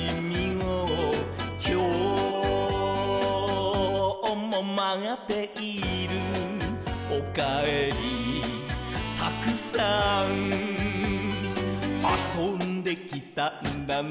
「きょうもまっている」「おかえりたくさん」「あそんできたんだね」